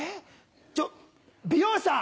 ちょ美容師さん！